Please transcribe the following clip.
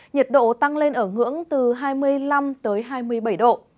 nhiệt độ tăng lên ở ngưỡng từ hai mươi năm hai mươi năm độ